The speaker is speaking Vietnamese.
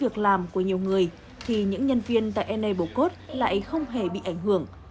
việc làm của nhiều người thì những nhân viên tại enablecode lại không hề bị ảnh hưởng